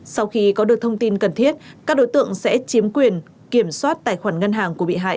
sau khi có được thông tin cần thiết các đối tượng sẽ chiếm quyền kiểm soát tài khoản ngân hàng của bị hại